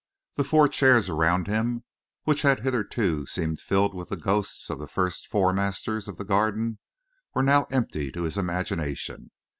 The four chairs around him, which had hitherto seemed filled with the ghosts of the four first masters of the Garden, were now empty to his imagination.